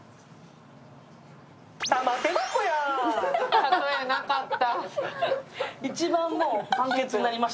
例え、なかった。